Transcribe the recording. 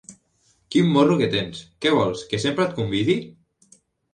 Quin morro que tens, què vols, que sempre et convidi?